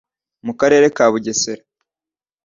mu Karere ka Bugesera